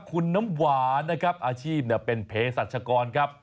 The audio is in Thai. คุณน้ำหวานอาชีพเป็นเพศสัตว์ชะกรครับ